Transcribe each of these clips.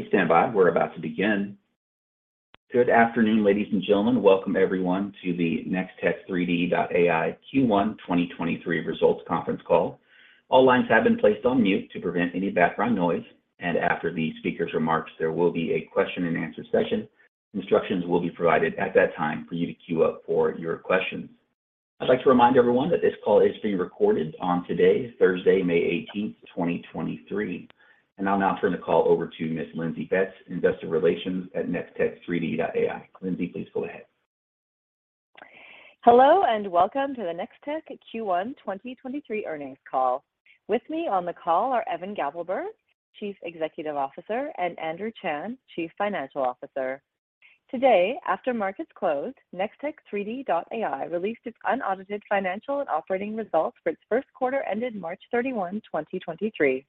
Please stand by. We're about to begin. Good afternoon, ladies and gentlemen. Welcome everyone to the NextechThreedy.ai Q1 2023 Results Conference Call. All lines have been placed on mute to prevent any background noise, and after the speaker's remarks, there will be a question and answer session. Instructions will be provided at that time for you to queue up for your questions. I'd like to remind everyone that this call is being recorded on today, Thursday, 18 May 2023. I'll now turn the call over to Miss Lindsay Betts, Investor Relations at NextechThreedy.ai. Lindsay, please go ahead. Hello, and welcome to the Nextech Q1 2023 Earnings Call. With me on the call are Evan Gappelberg, Chief Executive Officer, and Andrew Chan, Chief Financial Officer. Today, after markets closed, NextechThreedy.ai released its unaudited financial and operating results for its Q1 ended 31 March 2023.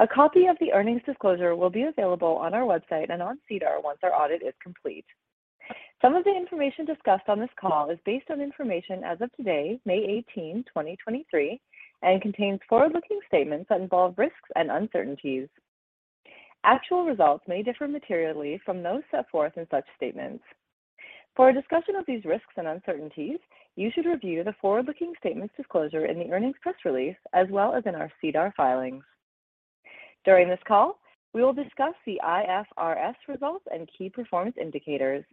A copy of the earnings disclosure will be available on our website and on SEDAR once our audit is complete. Some of the information discussed on this call is based on information as of today, 18 May 2023, and contains forward-looking statements that involve risks and uncertainties. Actual results may differ materially from those set forth in such statements. For a discussion of these risks and uncertainties, you should review the forward-looking statements disclosure in the earnings press release, as well as in our SEDAR filings. During this call, we will discuss the IFRS results and key performance indicators.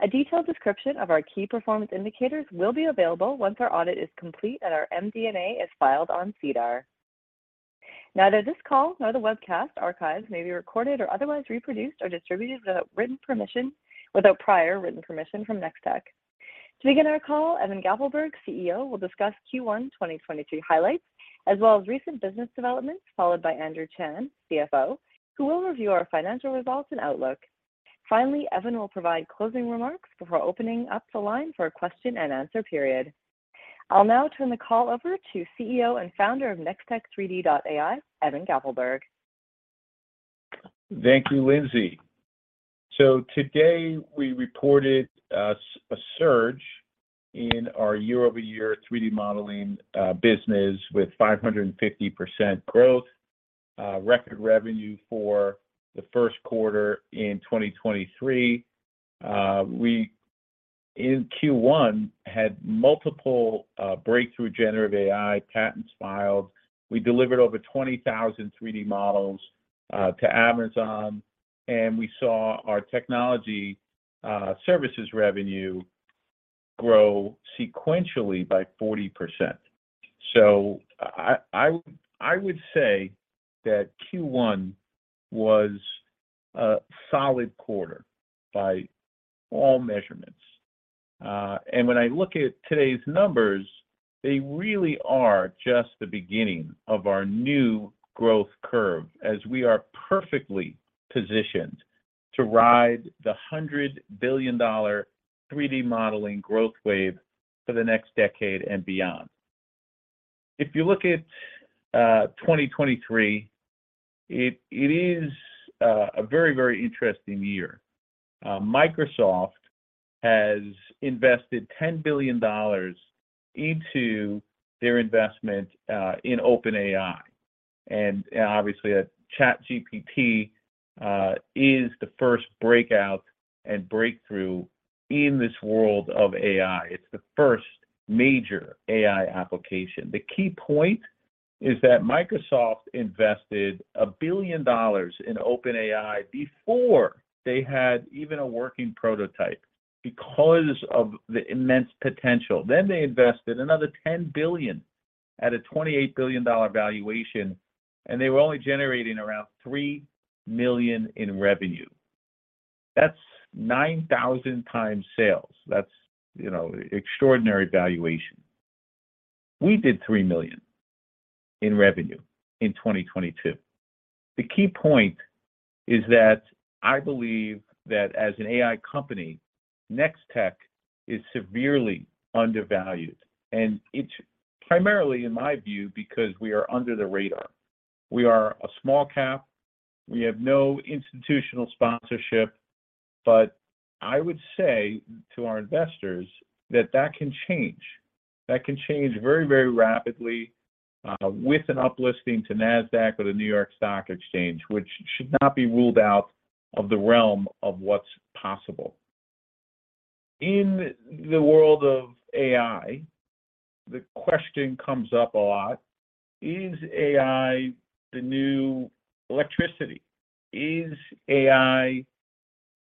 A detailed description of our key performance indicators will be available once our audit is complete and our MD&A is filed on SEDAR. Neither this call nor the webcast archives may be recorded or otherwise reproduced or distributed without prior written permission from Nextech. To begin our call, Evan Gappelberg, CEO, will discuss Q1 2023 highlights as well as recent business developments, followed by Andrew Chan, CFO, who will review our financial results and outlook. Finally, Evan will provide closing remarks before opening up the line for a question and answer period. I'll now turn the call over to CEO and Founder of NextechThreedy.ai, Evan Gappelberg. Thank you, Lindsay. Today we reported a surge in our year-over-year 3D modeling business with 550% growth, record revenue for the Q1 in 2023. We in Q1 had multiple breakthrough generative AI patents filed. We delivered over 20,000 3D models to Amazon, and we saw our technology services revenue grow sequentially by 40%. I would say that Q1 was a solid quarter by all measurements. When I look at today's numbers, they really are just the beginning of our new growth curve as we are perfectly positioned to ride the $100 billion 3D modeling growth wave for the next decade and beyond. If you look at 2023, it is a very, very interesting year. Microsoft has invested $10 billion into their investment in OpenAI. Obviously, ChatGPT is the first breakout and breakthrough in this world of AI. It's the first major AI application. The key point is that Microsoft invested $1 billion in OpenAI before they had even a working prototype because of the immense potential. They invested another $10 billion at a $28 billion valuation, and they were only generating around $3 million in revenue. That's 9,000 times sales. That's, you know, extraordinary valuation. We did $3 million in revenue in 2022. The key point is that I believe that as an AI company, Nextech is severely undervalued, and it's primarily, in my view, because we are under the radar. We are a small cap. We have no institutional sponsorship. I would say to our investors that that can change. That can change very, very rapidly, with an uplisting to Nasdaq or the New York Stock Exchange, which should not be ruled out of the realm of what's possible. In the world of AI, the question comes up a lot, is AI the new electricity? Is AI,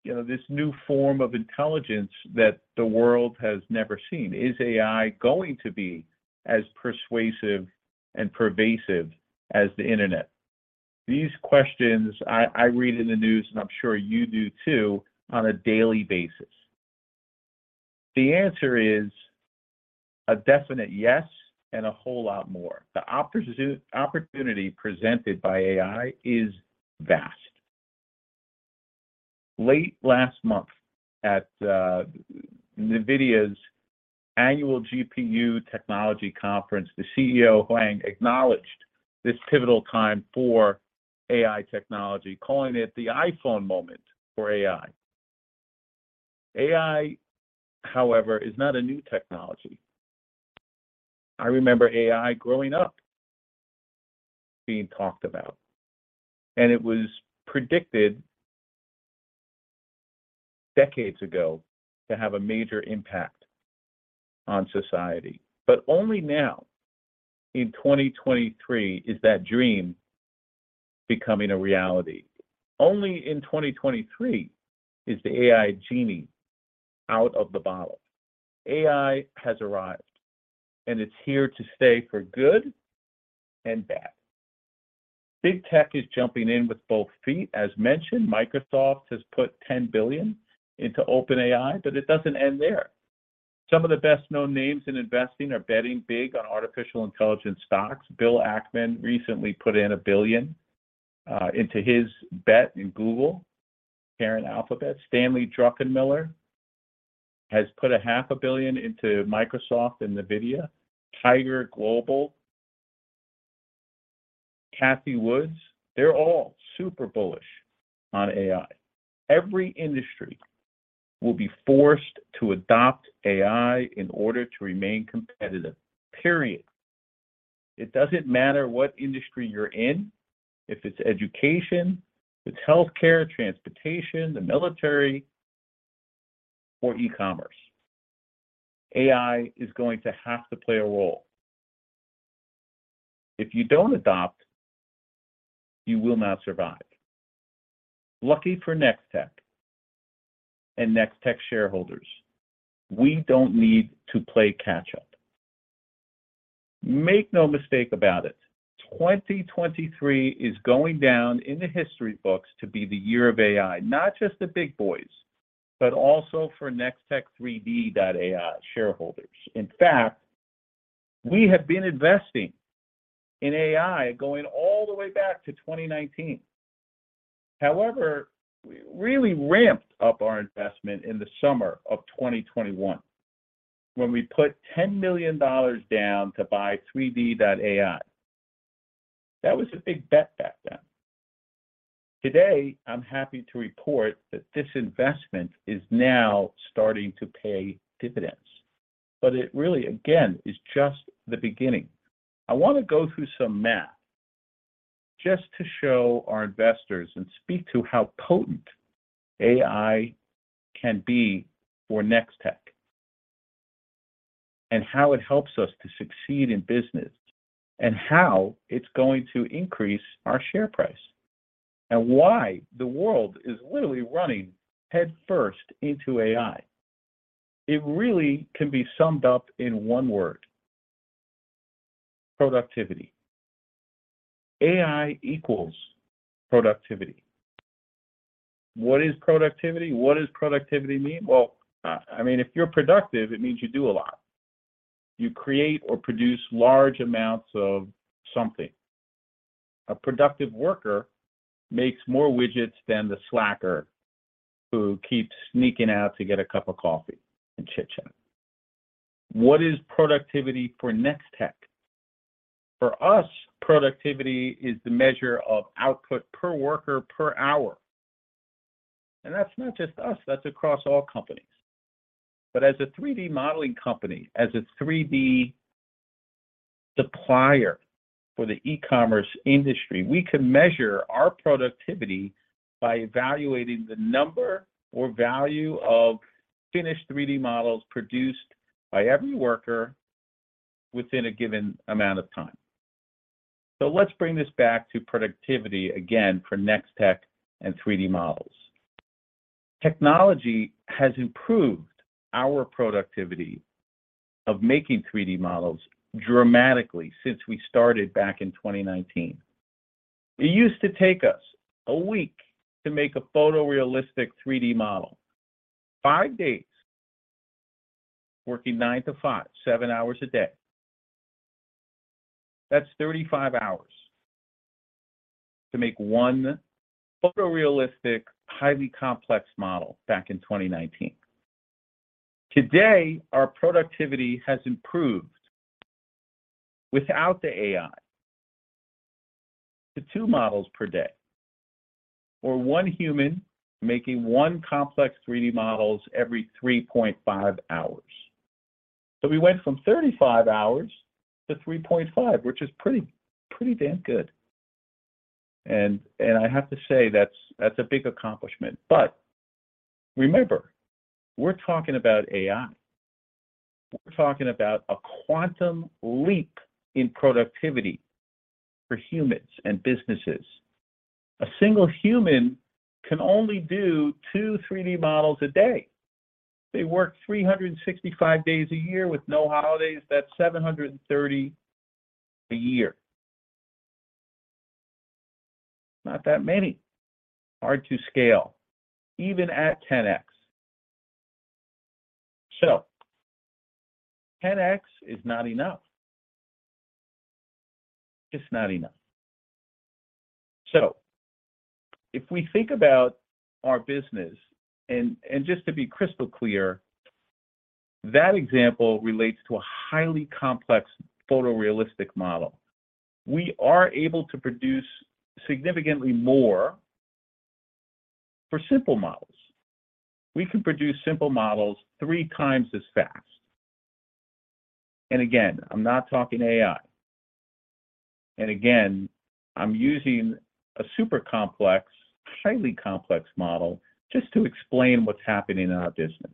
you know, this new form of intelligence that the world has never seen? Is AI going to be as persuasive and pervasive as the internet? These questions I read in the news, and I'm sure you do too, on a daily basis. The answer is a definite yes and a whole lot more. The opportunity presented by AI is vast. Late last month at NVIDIA's annual GPU technology conference, the CEO Huang acknowledged this pivotal time for AI technology, calling it the iPhone moment for AI. AI, however, is not a new technology. I remember AI growing up being talked about, and it was predicted decades ago to have a major impact on society. Only now in 2023 is that dream becoming a reality. Only in 2023 is the AI genie out of the bottle. AI has arrived. It's here to stay for good and bad. Big tech is jumping in with both feet. As mentioned, Microsoft has put $10 billion into OpenAI. It doesn't end there. Some of the best-known names in investing are betting big on artificial intelligence stocks. Bill Ackman recently put in $1 billion into his bet in Google, parent Alphabet. Stanley Druckenmiller has put a half a billion USD into Microsoft and NVIDIA. Tiger Global, Cathie Wood, they're all super bullish on AI. Every industry will be forced to adopt AI in order to remain competitive. It doesn't matter what industry you're in. If it's education, if it's healthcare, transportation, the military, or e-commerce, AI is going to have to play a role. If you don't adopt, you will not survive. Lucky for Nextech and Nextech shareholders, we don't need to play catch-up. Make no mistake about it, 2023 is going down in the history books to be the year of AI, not just the big boys, but also for NextechThreedy.ai shareholders. In fact, we have been investing in AI going all the way back to 2019. However, we really ramped up our investment in the summer of 2021 when we put $10 million down to buy Threedy.ai. That was a big bet back then. Today, I'm happy to report that this investment is now starting to pay dividends, but it really, again, is just the beginning. I want to go through some math just to show our investors and speak to how potent AI can be for Nextech, and how it helps us to succeed in business, and how it's going to increase our share price, and why the world is literally running headfirst into AI. It really can be summed up in one word, productivity. AI equals productivity. What is productivity? What does productivity mean? Well, I mean, if you're productive, it means you do a lot. You create or produce large amounts of something. A productive worker makes more widgets than the slacker who keeps sneaking out to get a cup of coffee and chitchat. What is productivity for Nextech? For us, productivity is the measure of output per worker per hour. That's not just us, that's across all companies. As a 3D modeling company, as a 3D supplier for the e-commerce industry, we can measure our productivity by evaluating the number or value of finished 3D models produced by every worker within a given amount of time. Let's bring this back to productivity again for Nextech and 3D models. Technology has improved our productivity of making 3D models dramatically since we started back in 2019. It used to take us a week to make a photorealistic 3D model. Five days working 9 to 5, seven hours a day. That's 35 hours to make one photorealistic, highly complex model back in 2019. Today, our productivity has improved without the AI to two models per day or one human making one complex 3D models every 3.5 hours. We went from 35 hours to 3.5, which is pretty damn good, and I have to say that's a big accomplishment. Remember, we're talking about AI. We're talking about a quantum leap in productivity for humans and businesses. A single human can only do 2 3D models a day. They work 365 days a year with no holidays. That's 730 a year. Not that many. Hard to scale, even at 10X. 10X is not enough. It's not enough. If we think about our business, and just to be crystal clear, that example relates to a highly complex photorealistic model. We are able to produce significantly more. For simple models, we can produce simple models 3 times as fast. Again, I'm not talking AI. Again, I'm using a super complex, highly complex model just to explain what's happening in our business.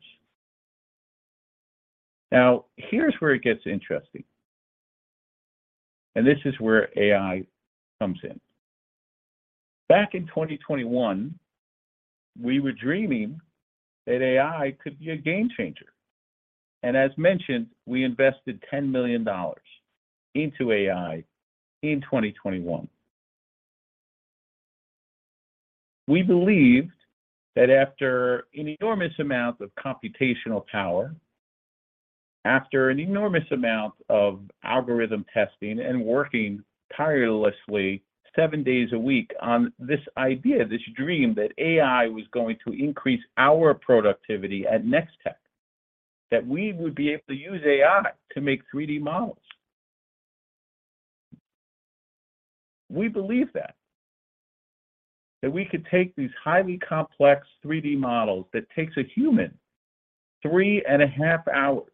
Now, here's where it gets interesting. This is where AI comes in. Back in 2021, we were dreaming that AI could be a game changer. As mentioned, we invested 10 million dollars into AI in 2021. We believed that after an enormous amount of computational power, after an enormous amount of algorithm testing and working tirelessly seven days a week on this idea, this dream that AI was going to increase our productivity at Nextech, that we would be able to use AI to make 3D models. We believe that we could take these highly complex 3D models that takes a human three and a half hours.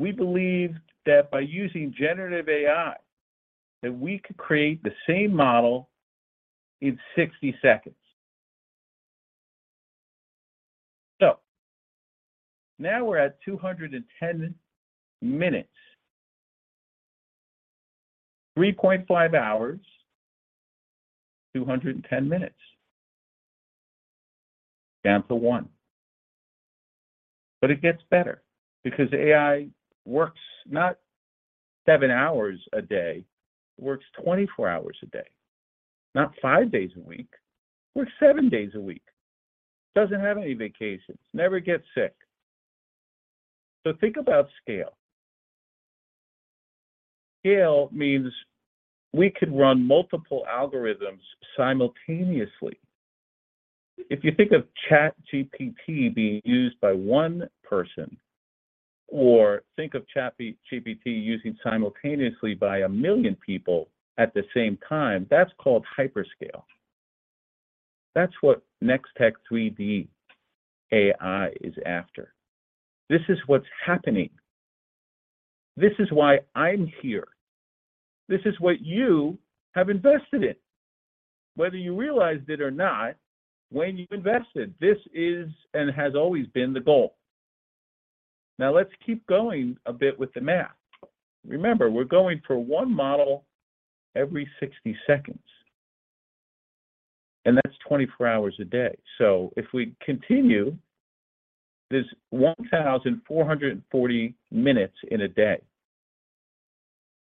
We believe that by using generative AI, that we could create the same model in 60 seconds. Now we're at 210 minutes. 3.5 hours, 210 minutes. Down to 1. It gets better because AI works not 7 hours a day, it works 24 hours a day. Not 5 days a week, works 7 days a week. Doesn't have any vacations, never gets sick. Think about scale. Scale means we could run multiple algorithms simultaneously. If you think of ChatGPT being used by 1 person, or think of ChatGPT using simultaneously by 1 million people at the same time, that's called hyperscale. That's what NextechThreedy.ai is after. This is what's happening. This is why I'm here. This is what you have invested in. Whether you realized it or not when you invested, this is and has always been the goal. Let's keep going a bit with the math. Remember, we're going for one model every 60 seconds, and that's 24 hours a day. If we continue, there's 1,440 minutes in a day.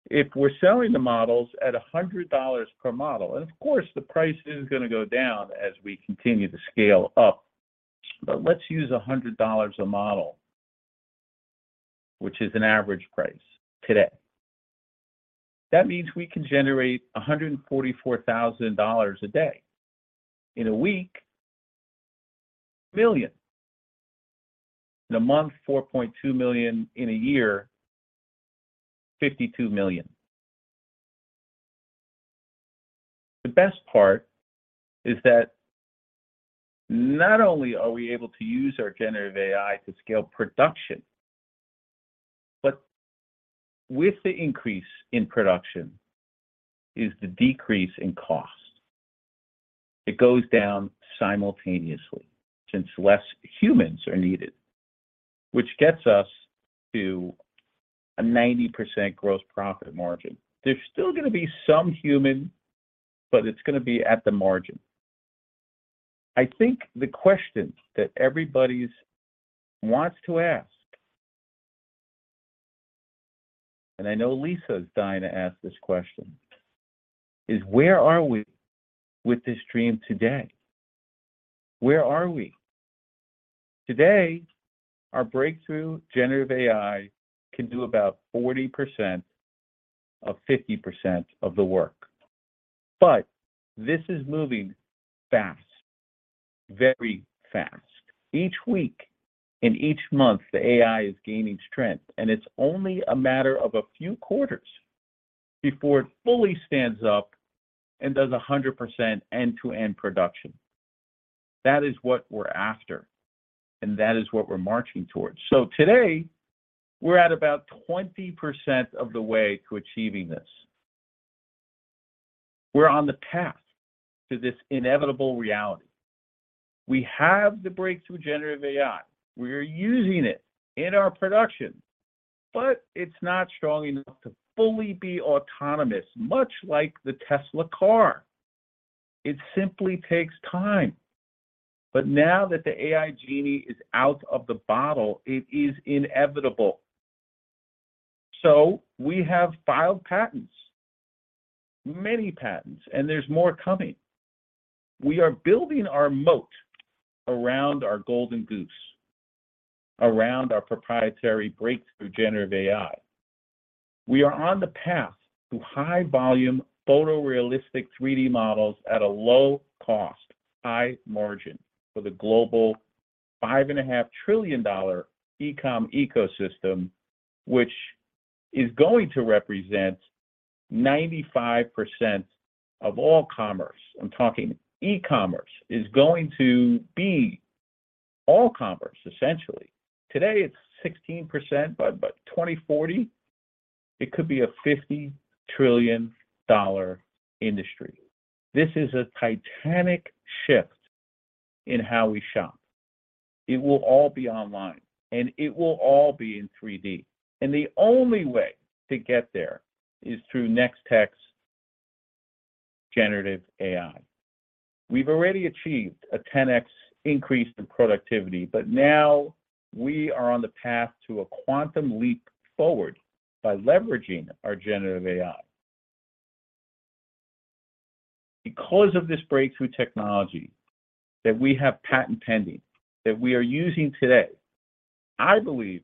If we're selling the models at $100 per model, and of course, the price is going to go down as we continue to scale up, but let's use $100 a model, which is an average price today. That means we can generate $144,000 a day. In a week, $1 million. In a month, $4.2 million. In a year, $52 million. The best part is that not only are we able to use our generative AI to scale production, but with the increase in production is the decrease in cost. It goes down simultaneously since less humans are needed, which gets us to a 90% gross profit margin. There's still going to be some human, but it's going to be at the margin. I think the question that everybody's wants to ask, and I know Lisa is dying to ask this question, is where are we with this dream today? Where are we? Today, our breakthrough generative AI can do about 40% of 50% of the work. This is moving fast, very fast. Each week and each month, the AI is gaining strength, and it's only a matter of a few quarters before it fully stands up and does 100% end-to-end production. That is what we're after, and that is what we're marching towards. Today, we're at about 20% of the way to achieving this. We're on the path to this inevitable reality. We have the breakthrough generative AI. We're using it in our production, but it's not strong enough to fully be autonomous, much like the Tesla car. It simply takes time. Now that the AI genie is out of the bottle, it is inevitable. We have filed patents, many patents, and there's more coming. We are building our moat around our golden goose, around our proprietary breakthrough generative AI. We are on the path to high volume photorealistic 3D models at a low cost, high margin for the global $5.5 trillion e-commerce ecosystem, which is going to represent 95% of all commerce. I'm talking e-commerce is going to be all commerce, essentially. Today it's 16%, but by 2040 it could be a $50 trillion industry. This is a titanic shift in how we shop. It will all be online, and it will all be in 3D. The only way to get there is through NextechThreedy.ai's generative AI. We've already achieved a 10x increase in productivity, now we are on the path to a quantum leap forward by leveraging our generative AI. Because of this breakthrough technology that we have patent pending, that we are using today, I believe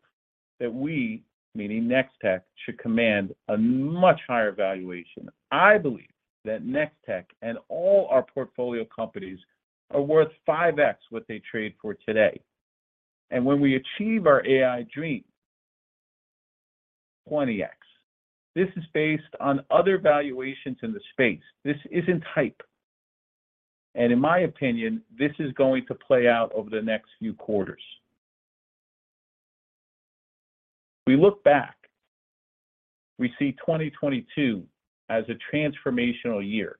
that we, meaning NextechThreedy.ai, should command a much higher valuation. I believe that NextechThreedy.ai and all our portfolio companies are worth 5x what they trade for today. When we achieve our AI dream, 20x. This is based on other valuations in the space. This isn't hype. In my opinion, this is going to play out over the next few quarters. We look back, we see 2022 as a transformational year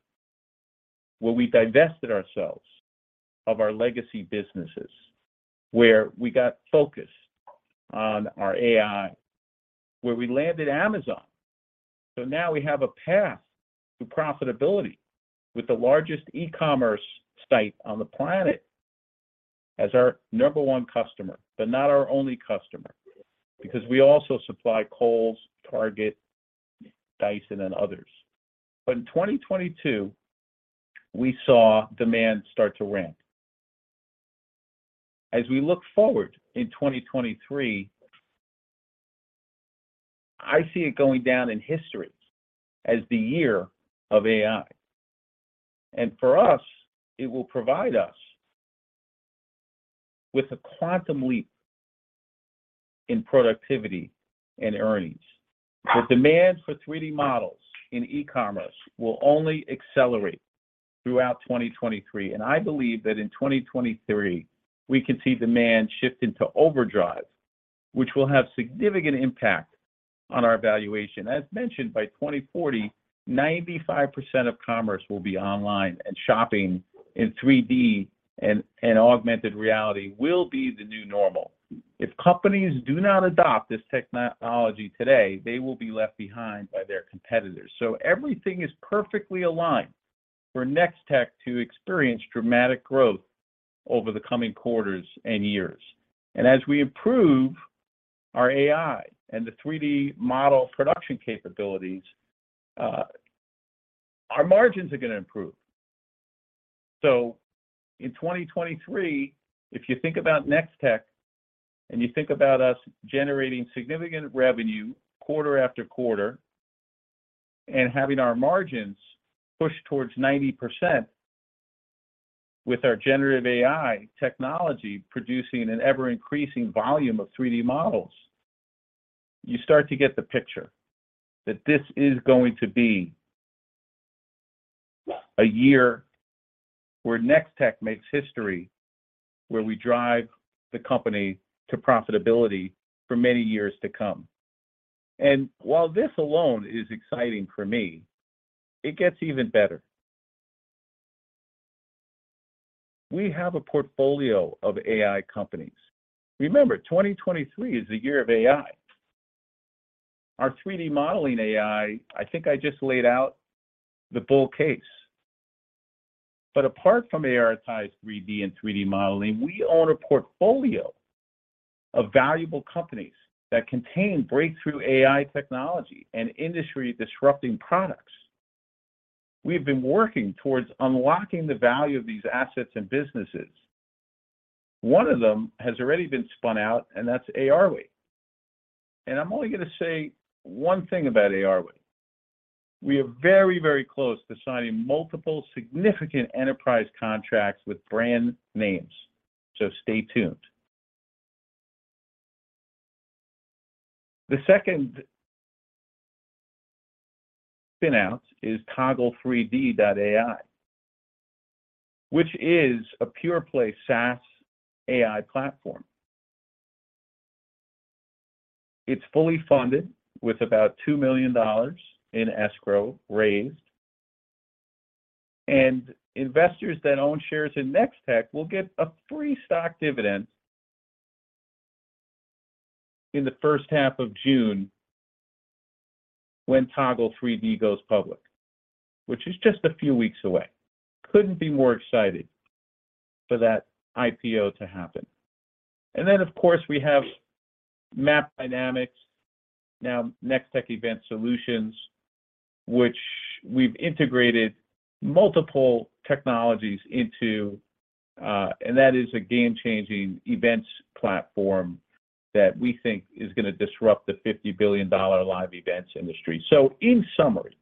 where we divested ourselves of our legacy businesses, where we got focused on our AI, where we landed Amazon. Now we have a path to profitability with the largest e-commerce site on the planet as our number one customer, but not our only customer, because we also supply Kohl's, Target, Dyson, and others. In 2022, we saw demand start to ramp. As we look forward in 2023, I see it going down in history as the year of AI. For us, it will provide us with a quantum leap in productivity and earnings. The demand for 3D models in e-commerce will only accelerate throughout 2023, and I believe that in 2023 we can see demand shift into overdrive, which will have significant impact on our valuation. As mentioned, by 2040, 95% of commerce will be online and shopping in 3D and augmented reality will be the new normal. If companies do not adopt this technology today, they will be left behind by their competitors. Everything is perfectly aligned for Nextech to experience dramatic growth over the coming quarters and years. As we improve our AI and the 3D model production capabilities, our margins are going to improve. In 2023, if you think about Nextech and you think about us generating significant revenue quarter after quarter and having our margins push towards 90% with our generative AI technology producing an ever-increasing volume of 3D models, you start to get the picture that this is going to be a year where Nextech makes history, where we drive the company to profitability for many years to come. While this alone is exciting for me, it gets even better. We have a portfolio of AI companies. Remember, 2023 is the year of AI. Our 3D modeling AI, I think I just laid out the bull case. Apart from ARitize3D and 3D modeling, we own a portfolio of valuable companies that contain breakthrough AI technology and industry-disrupting products. We've been working towards unlocking the value of these assets and businesses. One of them has already been spun out, and that's ARway. I'm only going to say one thing about ARway. We are very, very close to signing multiple significant enterprise contracts with brand names. Stay tuned. The second spin-out is ToggleThreedy.ai, which is a pure play SaaS AI platform. It's fully funded with about $2 million in escrow raised. Investors that own shares in Nextech will get a free stock dividend in the first half of June when ToggleThreedy.ai goes public, which is just a few weeks away. Couldn't be more excited for that IPO to happen. Of course we have Map D, now Nextech Event Solutions, which we've integrated multiple technologies into, and that is a game-changing events platform that we think is going to disrupt the $50 billion live events industry. In summary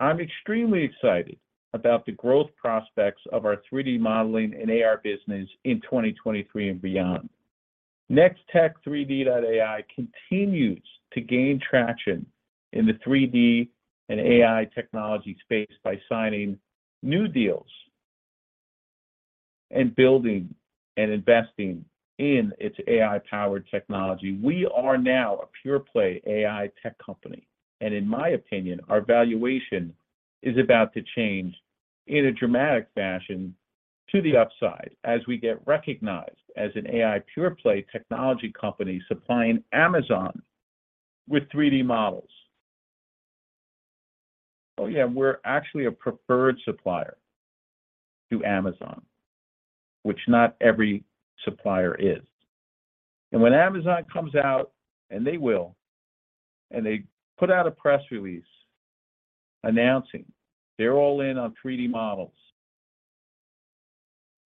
I'm extremely excited about the growth prospects of our 3D modeling and AR business in 2023 and beyond. NextechThreedy.ai continues to gain traction in the 3D and AI technology space by signing new deals and building and investing in its AI-powered technology. We are now a pure-play AI tech company, and in my opinion, our valuation is about to change in a dramatic fashion to the upside as we get recognized as an AI pure-play technology company supplying Amazon with 3D models. Oh yeah, we're actually a preferred supplier to Amazon, which not every supplier is. When Amazon comes out, and they will, and they put out a press release announcing they're all in on 3D models,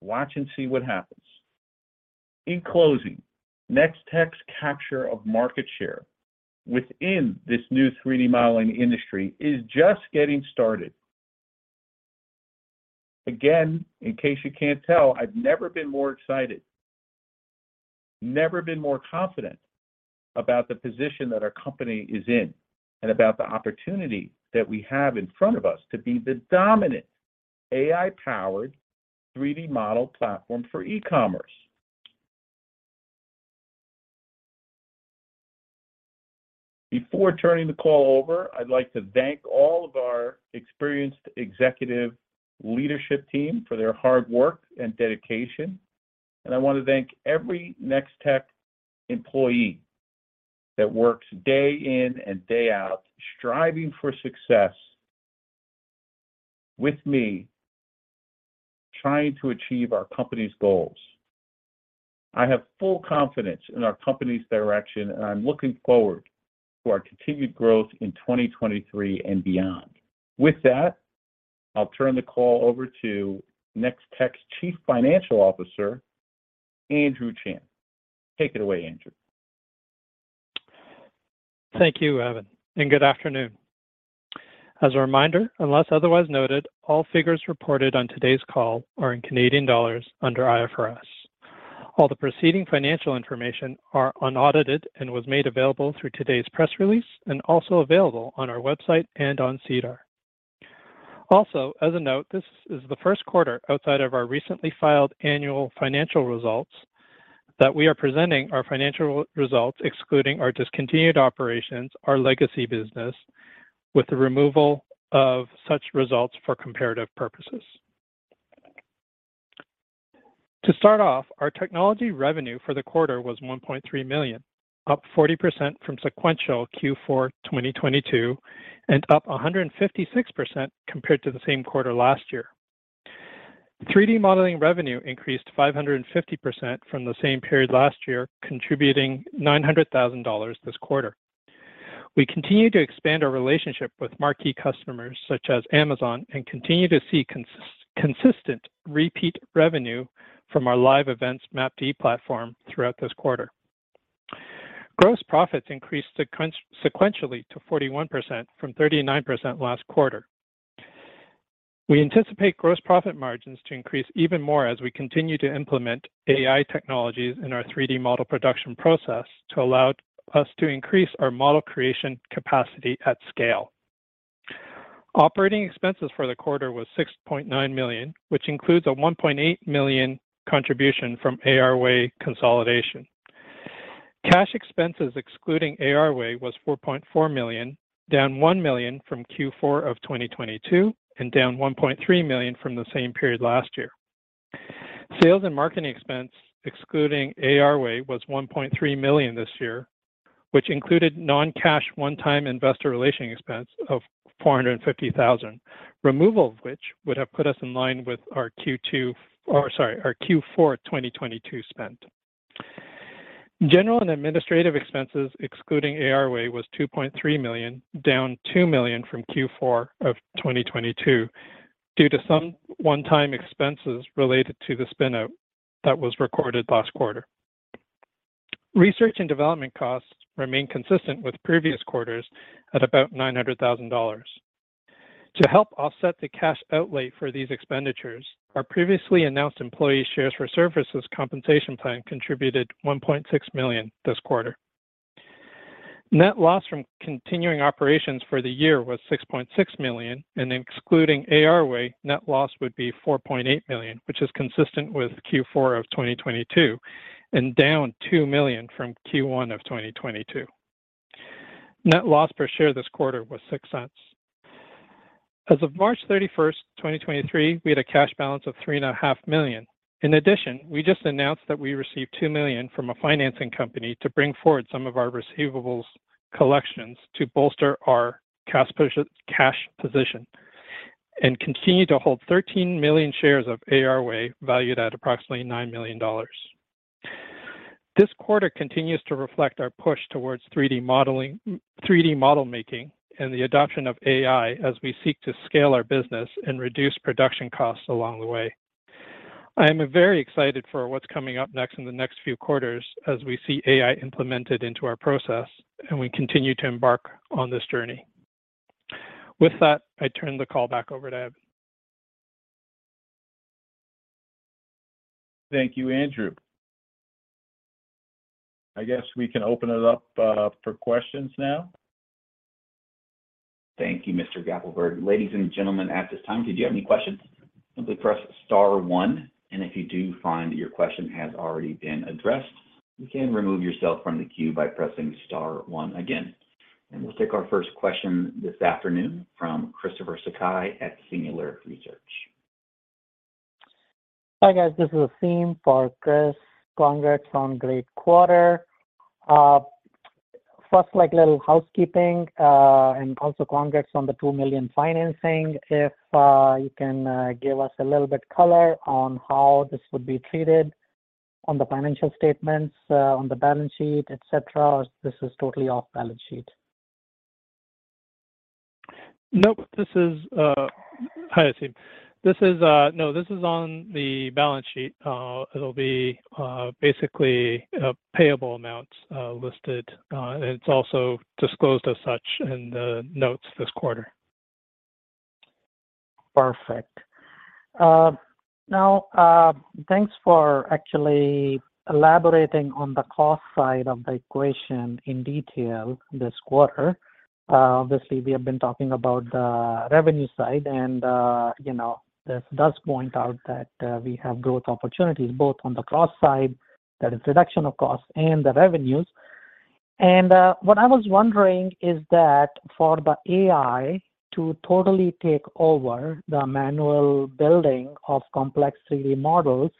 watch and see what happens. In closing, NextechThreedy.ai's capture of market share within this new 3D modeling industry is just getting started. Again, in case you can't tell, I've never been more excited, never been more confident about the position that our company is in and about the opportunity that we have in front of us to be the dominant AI-powered 3D model platform for e-commerce. Before turning the call over, I'd like to thank all of our experienced executive leadership team for their hard work and dedication, and I want to thank every NextechThreedy.ai employee that works day in and day out striving for success with me, trying to achieve our company's goals. I have full confidence in our company's direction, and I'm looking forward to our continued growth in 2023 and beyond. With that, I'll turn the call over to Nextech's Chief Financial Officer, Andrew Chan. Take it away, Andrew. Thank you, Evan. Good afternoon. As a reminder, unless otherwise noted, all figures reported on today's call are in Canadian dollars under IFRS. All the preceding financial information are unaudited and was made available through today's press release and also available on our website and on SEDAR. As a note, this is the Q1 outside of our recently filed annual financial results that we are presenting our financial results excluding our discontinued operations, our legacy business, with the removal of such results for comparative purposes. To start off, our technology revenue for the quarter was 1.3 million, up 40% from sequential Q4 2022 and up 156% compared to the same quarter last year. 3D modeling revenue increased 550% from the same period last year, contributing 900,000 dollars this quarter. We continue to expand our relationship with marquee customers such as Amazon and continue to see consistent repeat revenue from our live events Map D platform throughout this quarter. Gross profits increased sequentially to 41% from 39% last quarter. We anticipate gross profit margins to increase even more as we continue to implement AI technologies in our 3D model production process to allow us to increase our model creation capacity at scale. Operating expenses for the quarter was $6.9 million, which includes a $1.8 million contribution from ARway consolidation. Cash expenses excluding ARway was $4.4 million, down $1 million from Q4 of 2022 and down $1.3 million from the same period last year. Sales and marketing expense excluding ARway was 1.3 million this year, which included non-cash one-time investor relation expense of 450,000, removal of which would have put us in line with our Q4 2022 spend. General and administrative expenses excluding ARway was 2.3 million, down 2 million from Q4 2022 due to some one-time expenses related to the spin-out that was recorded last quarter. Research and development costs remain consistent with previous quarters at about 900,000 dollars. To help offset the cash outlay for these expenditures, our previously announced employee shares for services compensation plan contributed 1.6 million this quarter. Net loss from continuing operations for the year was $6.6 million, and excluding ARway, net loss would be $4.8 million, which is consistent with Q4 of 2022 and down $2 million from Q1 of 2022. Net loss per share this quarter was $0.06. As of 31 March 2023, we had a cash balance of three and a half million. In addition, we just announced that we received $2 million from a financing company to bring forward some of our receivables collections to bolster our cash position and continue to hold 13 million shares of ARway valued at approximately $9 million. This quarter continues to reflect our push towards 3D model making and the adoption of AI as we seek to scale our business and reduce production costs along the way. I am very excited for what's coming up next in the next few quarters as we see AI implemented into our process, and we continue to embark on this journey. With that, I turn the call back over to Ed. Thank you, Andrew. I guess we can open it up, for questions now. Thank you, Mr. Gappelberg. Ladies and gentlemen, at this time, if you do have any questions, simply press star one. If you do find your question has already been addressed, you can remove yourself from the queue by pressing star one again. We'll take our first question this afternoon from Christopher Sakai at Singular Research. Hi, guys, this is Aseem for Chris. Congrats on great quarter. First, like, little housekeeping, and also congrats on the 2 million financing. If you can give us a little bit color on how this would be treated on the financial statements, on the balance sheet, et cetera. This is totally off balance sheet. Nope. Hi, Aseem. This is, no, this is on the balance sheet. It'll be, basically a payable amount, listed. It's also disclosed as such in the notes this quarter. Perfect. Now, thanks for actually elaborating on the cost side of the equation in detail this quarter. Obviously we have been talking about the revenue side and, you know, this does point out that we have growth opportunities both on the cost side, that is reduction of cost and the revenues. What I was wondering is that for the AI to totally take over the manual building of complex 3D models,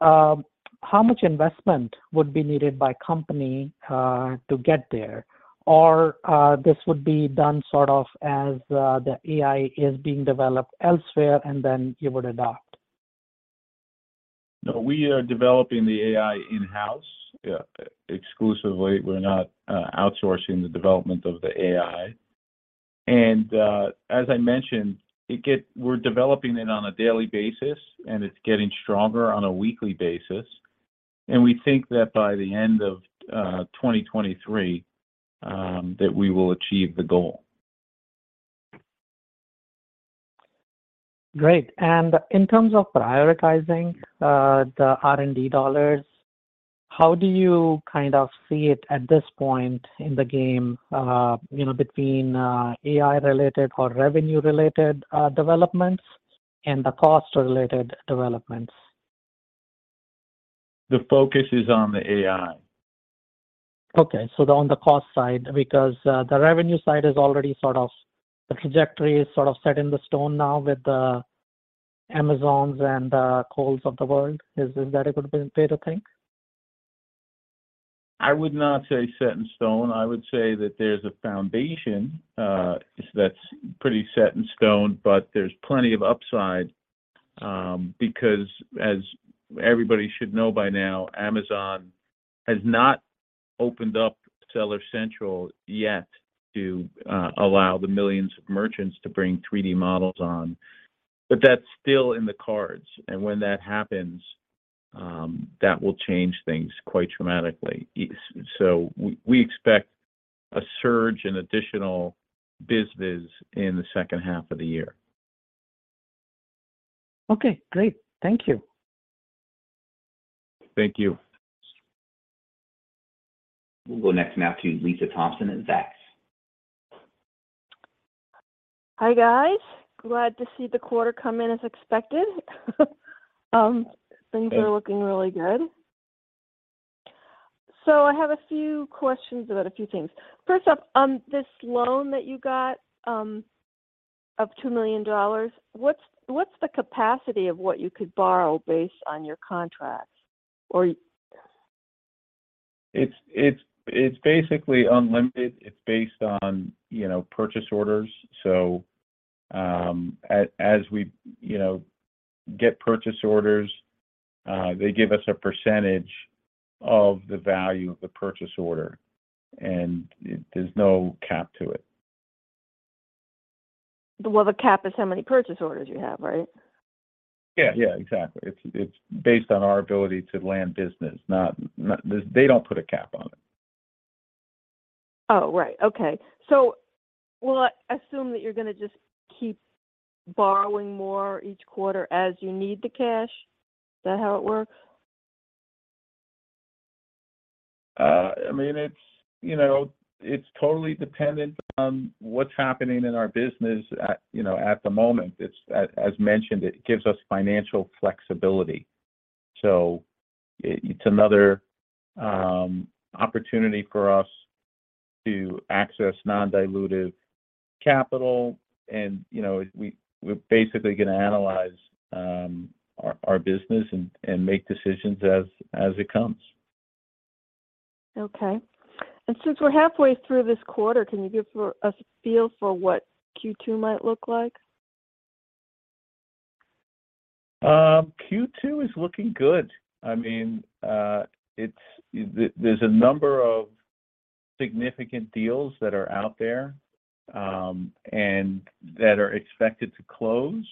how much investment would be needed by company to get there? Or, this would be done sort of as the AI is being developed elsewhere and then you would adopt? No, we are developing the AI in-house, exclusively. We're not outsourcing the development of the AI. As I mentioned, we're developing it on a daily basis, and it's getting stronger on a weekly basis. We think that by the end of 2023, that we will achieve the goal. Great. In terms of prioritizing, the R&D dollars, how do you kind of see it at this point in the game, you know, between, AI related or revenue related, developments and the cost related developments? The focus is on the AI. Okay. On the cost side, because the revenue side is already sort of the trajectory is sort of set in the stone now with the Amazons and Kohl's of the world. Is that a good way to think? I would not say set in stone. I would say that there's a foundation that's pretty set in stone, but there's plenty of upside because as everybody should know by now, Amazon has not opened up Seller Central yet to allow the millions of merchants to bring 3D models on. That's still in the cards. When that happens, that will change things quite dramatically. We expect a surge in additional business in the second half of the year. Okay, great. Thank you. Thank you. We'll go next now to Lisa Thompson at Zacks. Hi, guys. Glad to see the quarter come in as expected. Hey... things are looking really good. I have a few questions about a few things. First up, on this loan that you got, of 2 million dollars, what's the capacity of what you could borrow based on your contracts? Or... It's basically unlimited. It's based on, you know, purchase orders. As we, you know, get purchase orders, they give us a percentage of the value of the purchase order, and there's no cap to it. Well, the cap is how many purchase orders you have, right? Yeah. Yeah. Exactly. It's based on our ability to land business. They don't put a cap on it. Oh, right. Okay. Will I assume that you're going to just keep borrowing more each quarter as you need the cash? Is that how it works? I mean, it's, you know, it's totally dependent on what's happening in our business at, you know, at the moment. As mentioned, it gives us financial flexibility. It's another opportunity for us to access non-dilutive capital. You know, we're basically gonna analyze our business and make decisions as it comes. Okay. Since we're halfway through this quarter, can you give us a feel for what Q2 might look like? Q2 is looking good. I mean, there's a number of significant deals that are out there, and that are expected to close.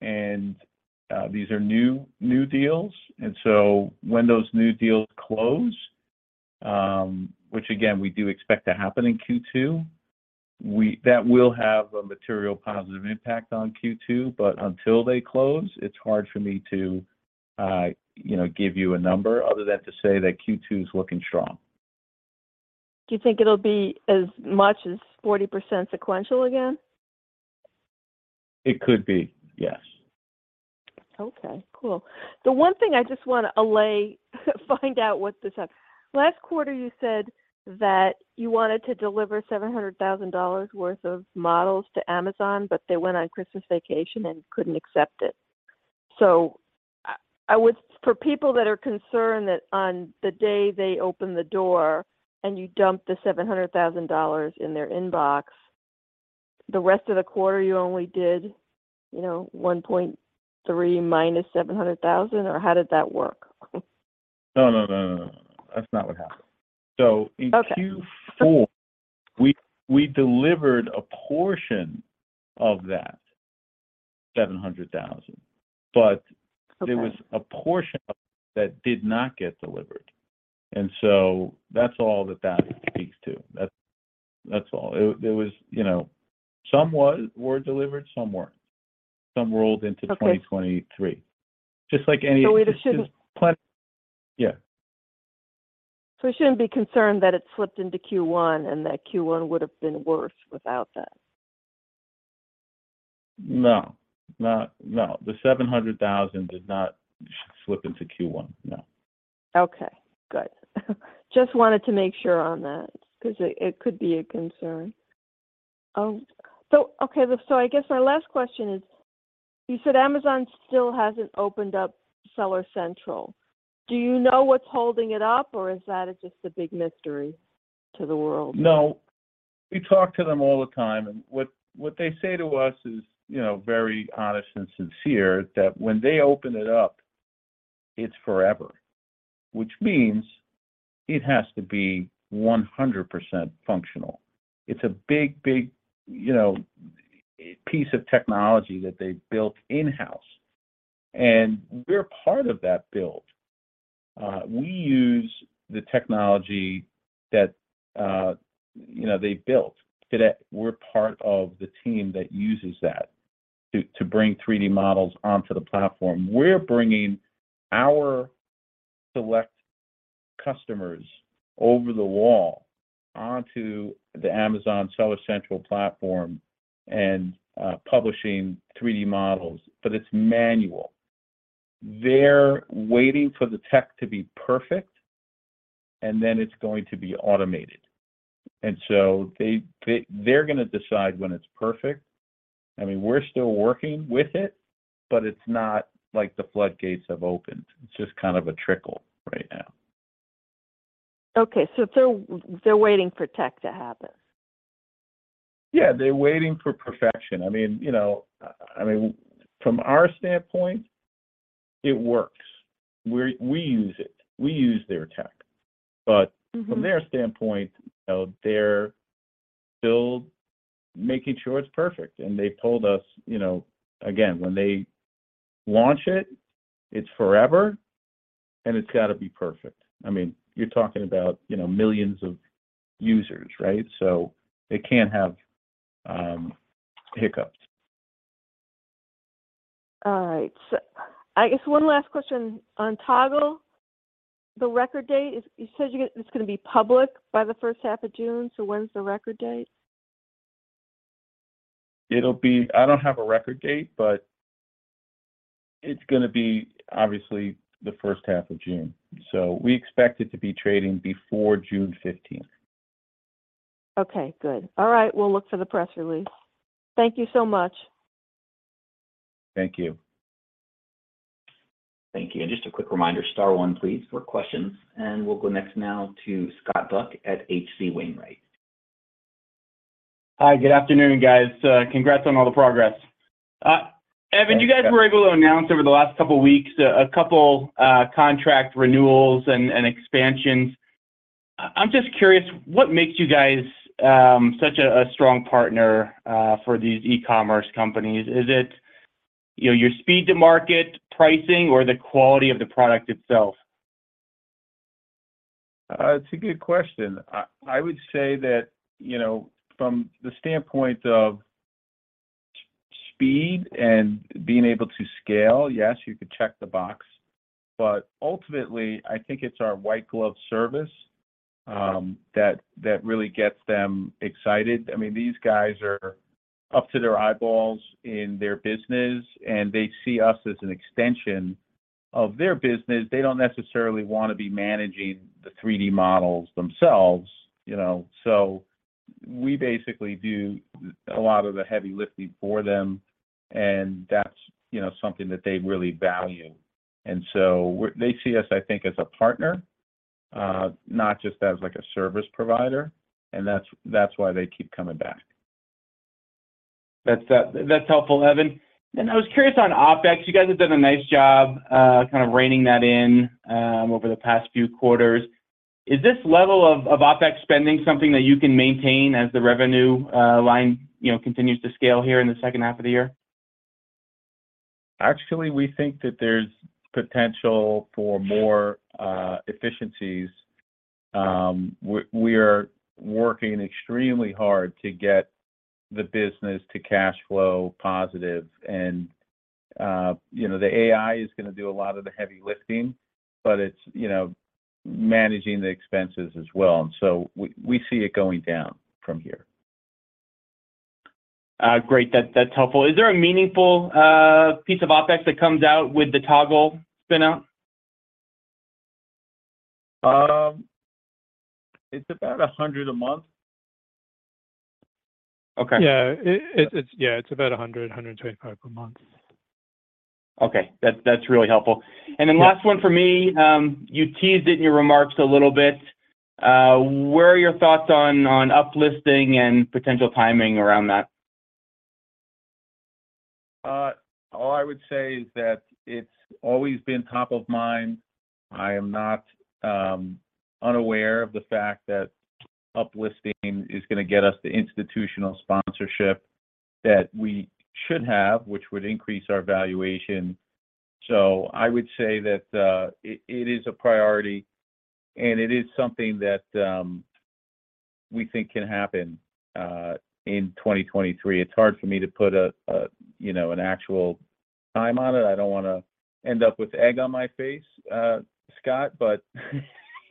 These are new deals. When those new deals close, which again, we do expect to happen in Q2, that will have a material positive impact on Q2, but until they close, it's hard for me to, you know, give you a number other than to say that Q2 is looking strong. Do you think it'll be as much as 40% sequential again? It could be, yes. Okay, cool. The one thing I just want to allay, find out what this is. Last quarter, you said that you wanted to deliver $700,000 worth of models to Amazon, but they went on Christmas vacation and couldn't accept it. for people that are concerned that on the day they open the door and you dump the $700,000 in their inbox, the rest of the quarter, you only did, you know, $1.3 million minus $700,000, or how did that work? No, no, no. That's not what happened. Okay... Q4, we delivered a portion of that $700,000. Okay... there was a portion that did not get delivered. That's all that speaks to. That's all. It was, you know, some were delivered, some weren't. Some rolled into 2023. Okay. Just like any- We just shouldn't... Yeah. We shouldn't be concerned that it slipped into Q1 and that Q1 would have been worse without that. No. No, no. The 700,000 did not slip into Q1, no. Okay, good. Just wanted to make sure on that because it could be a concern. Okay. I guess my last question is, you said Amazon still hasn't opened up Seller Central. Do you know what's holding it up, or is that just a big mystery to the world? No. What they say to us is, you know, very honest and sincere, that when they open it up, it's forever, which means it has to be 100% functional. It's a big, you know, piece of technology that they built in-house. We're part of that build. We use the technology that, you know, they built. Today, we're part of the team that uses that to bring 3D models onto the platform. We're bringing our select customers over the wall onto the Amazon Seller Central platform and publishing 3D models. It's manual. They're waiting for the tech to be perfect. Then it's going to be automated. They're going to decide when it's perfect. I mean, we're still working with it. It's not like the floodgates have opened. It's just kind of a trickle right now. Okay. They're waiting for tech to happen. Yeah, they're waiting for perfection. I mean, you know, I mean, from our standpoint, it works. We use it. We use their tech from their standpoint, you know, they're still making sure it's perfect. They told us, you know, again, when they launch it's forever, and it's got to be perfect. I mean, you're talking about, you know, millions of users, right? It can't have hiccups. All right. I guess one last question on Toggle. The record date, you said it's going to be public by the first half of June, when's the record date? I don't have a record date, but it's gonna be, obviously, the first half of June. We expect it to be trading before June 15th. Okay, good. All right, we'll look for the press release. Thank you so much. Thank you. Thank you. Just a quick reminder, star one, please, for questions. We'll go next now to Scott Buck at H.C. Wainwright. Hi. Good afternoon, guys. Congrats on all the progress. Evan, you guys were able to announce over the last couple of weeks a couple contract renewals and expansions. I'm just curious, what makes you guys such a strong partner for these e-commerce companies? Is it, you know, your speed to market, pricing, or the quality of the product itself? It's a good question. I would say that, you know, from the standpoint of speed and being able to scale, yes, you could check the box. Ultimately, I think it's our white glove service that really gets them excited. I mean, these guys are up to their eyeballs in their business, and they see us as an extension of their business. They don't necessarily want to be managing the 3D models themselves, you know. We basically do a lot of the heavy lifting for them, and that's, you know, something that they really value. They see us, I think, as a partner, not just as, like, a service provider, and that's why they keep coming back. That's helpful, Evan. I was curious on OpEx. You guys have done a nice job, kind of reining that in, over the past few quarters. Is this level of OpEx spending something that you can maintain as the revenue, line, you know, continues to scale here in the second half of the year? Actually, we think that there's potential for more efficiencies. We are working extremely hard to get the business to cash flow positive and, you know, the AI is gonna do a lot of the heavy lifting, but it's, you know, managing the expenses as well. We see it going down from here. great. That, that's helpful. Is there a meaningful piece of OpEx that comes out with the Toggle spin-out? It's about $100 a month. Okay. Yeah, it's about $100, $125 per month. Okay. That's really helpful. Yeah. Last one for me. You teased it in your remarks a little bit. Where are your thoughts on up-listing and potential timing around that? All I would say is that it's always been top of mind. I am not unaware of the fact that up-listing is gonna get us the institutional sponsorship that we should have, which would increase our valuation. I would say that it is a priority, and it is something that we think can happen in 2023. It's hard for me to put you know, an actual time on it. I don't wanna end up with egg on my face, Scott.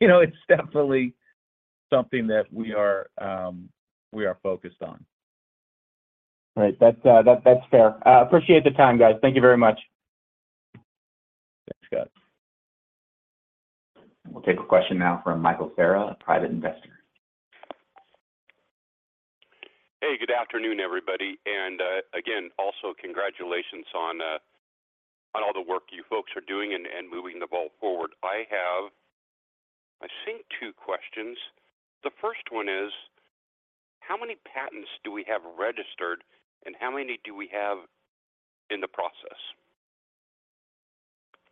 You know, it's definitely something that we are focused on. All right. That's, that's fair. Appreciate the time, guys. Thank you very much. Thanks, Scott. We'll take a question now from Michael Farrah, a private investor. Hey, good afternoon, everybody. Again, also congratulations on all the work you folks are doing and moving the ball forward. I have, I think, two questions. The first one is, how many patents do we have registered, and how many do we have in the process?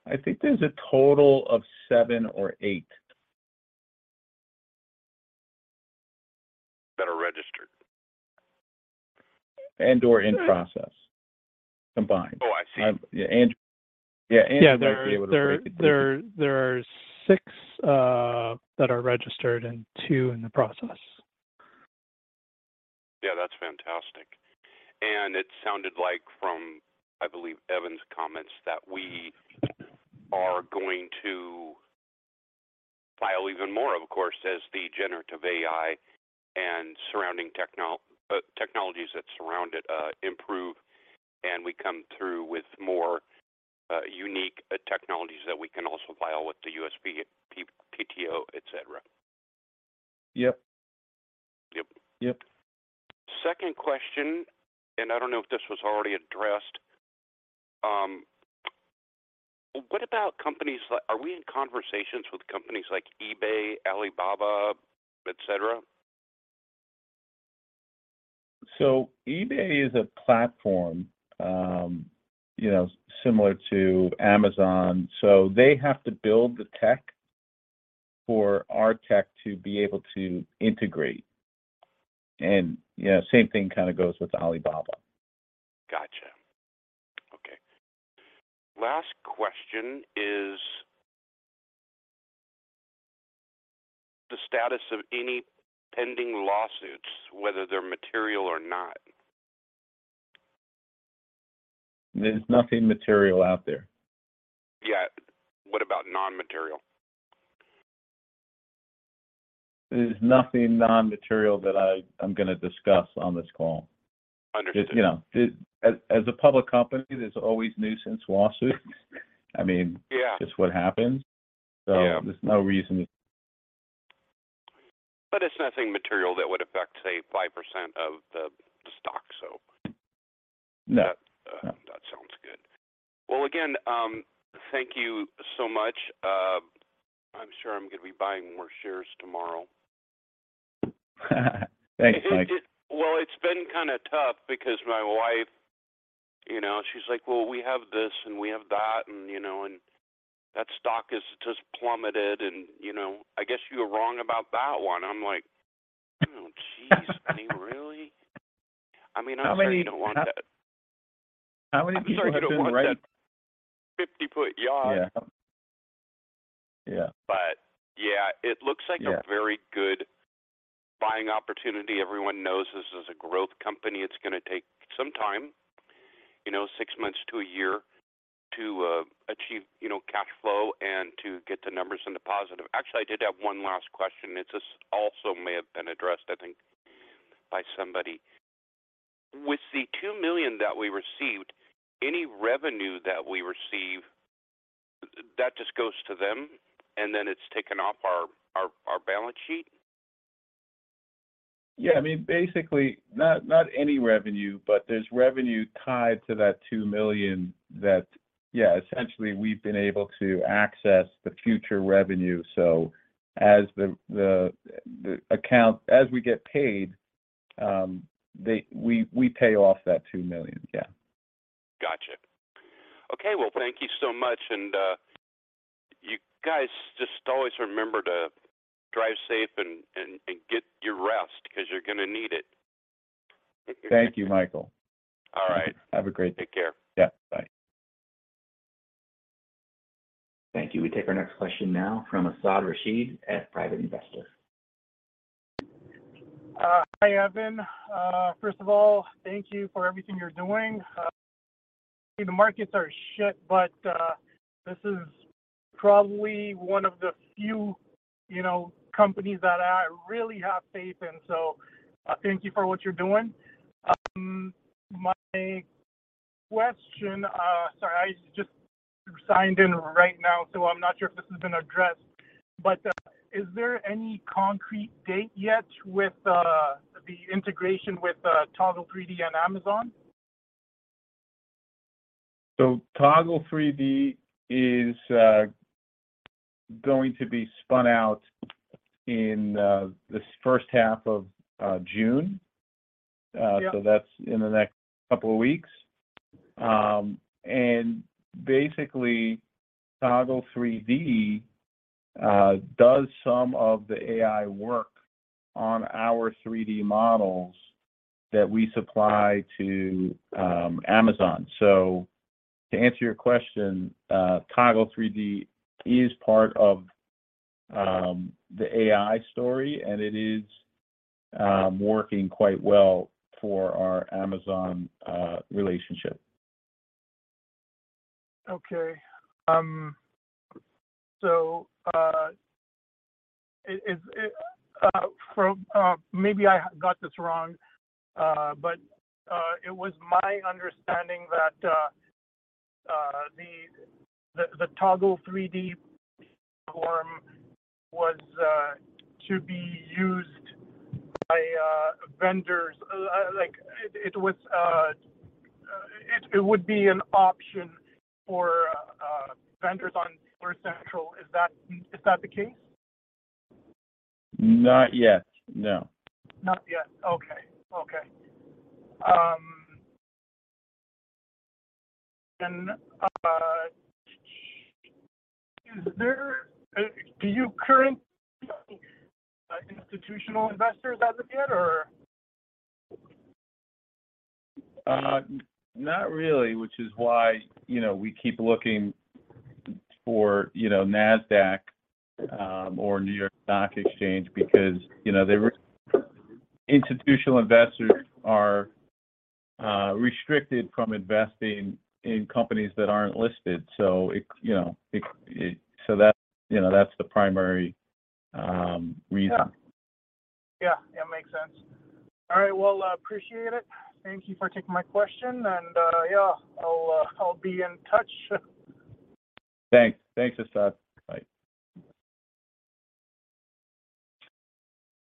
I think there's a total of seven or eight. That are registered. And/or in process, combined. Oh, I see. Yeah, Andrew might be able to break it- Yeah. There are six that are registered and two in the process. Yeah, that's fantastic. It sounded like from, I believe, Evan's comments, that we are going to file even more, of course, as the generative AI and surrounding technologies that surround it, improve, and we come through with more, unique, technologies that we can also file with the USPTO, et cetera. Yep. Yep. Yep. Second question. I don't know if this was already addressed. Are we in conversations with companies like eBay, Alibaba, et cetera? eBay is a platform, you know, similar to Amazon. They have to build the tech for our tech to be able to integrate and, you know, same thing kinda goes with Alibaba. Gotcha. Okay. Last question is the status of any pending lawsuits, whether they're material or not. There's nothing material out there. What about non-material? There's nothing non-material that I'm gonna discuss on this call. Understood. It's, you know. As a public company, there's always nuisance lawsuits. I mean. Yeah it's what happens. Yeah. There's no reason. It's nothing material that would affect, say, 5% of the stock. No... that sounds good. Well, again, thank you so much. I'm sure I'm gonna be buying more shares tomorrow. Thanks, Mike. It Well, it's been kinda tough because my wife, you know, she's like, "Well, we have this, and we have that, and, you know, and that stock has just plummeted, and, you know, I guess you were wrong about that one." I'm like, "Oh, geez." "I mean, really?" I mean, I'm sure you don't want that- How many people have been, right- I'm sure you don't want that 50-foot yacht. Yeah. Yeah. Yeah. Yeah... a very good buying opportunity. Everyone knows this is a growth company. It's gonna take some time, you know, six months to a year to achieve, you know, cash flow and to get the numbers into positive. Actually, I did have one last question. It's just also may have been addressed, I think, by somebody. With the 2 million that we received, any revenue that we receive, that just goes to them, and then it's taken off our balance sheet? Yeah. I mean, basically, not any revenue, but there's revenue tied to that $2 million that, yeah, essentially, we've been able to access the future revenue. As the account, as we get paid, we pay off that $2 million. Yeah. Gotcha. Okay. Well, thank you so much, and you guys just always remember to drive safe and get your rest because you're gonna need it. Thank you, Michael. All right. Have a great day. Take care. Yeah. Bye. Thank you. We take our next question now from Asad Rashid at Private Investor. Hi, Evan. First of all, thank you for everything you're doing. The markets are but, this is probably one of the few, you know, companies that I really have faith in, so, thank you for what you're doing. My question, sorry, I just signed in right now, so I'm not sure if this has been addressed, but, is there any concrete date yet with, the integration with, Toggle3D and Amazon? Toggle3D is going to be spun out in this first half of June. Yeah. That's in the next couple of weeks. Basically Toggle3D does some of the AI work on our 3D models that we supply to Amazon. To answer your question, Toggle3D is part of the AI story, and it is working quite well for our Amazon relationship. Okay. Is it for, maybe I got this wrong, it was my understanding that the Toggle3D form was to be used by vendors, it would be an option for vendors on Seller Central, is that the case? Not yet. No. Not yet. Okay. Okay. Do you currently institutional investors as of yet or? Not really, which is why, you know, we keep looking for, you know, Nasdaq or New York Stock Exchange because, you know, Institutional investors are restricted from investing in companies that aren't listed. That's, you know, that's the primary reason. Yeah. Yeah, it makes sense. All right. Well, I appreciate it. Thank you for taking my question, and, yeah, I'll be in touch. Thanks. Thanks, Asad. Bye.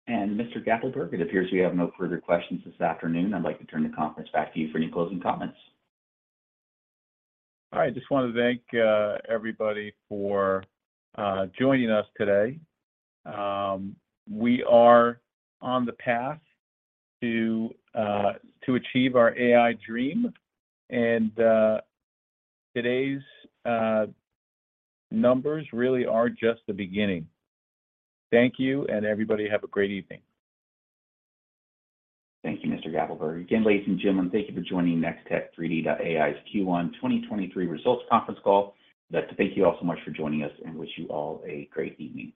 Mr. Gappelberg, it appears we have no further questions this afternoon. I'd like to turn the conference back to you for any closing comments. I just want to thank everybody for joining us today. We are on the path to achieve our AI dream. Today's numbers really are just the beginning. Thank you, and everybody have a great evening. Thank you, Mr. Gappelberg. Again, ladies and gentlemen, thank you for joining NextechThreedy.ai's Q1 2023 results conference call. Like to thank you all so much for joining us and wish you all a great evening.